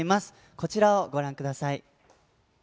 こちらをご覧ください。